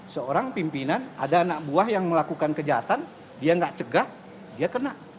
seorang pimpinan ada anak buah yang melakukan kejahatan dia tidak cegah dia kena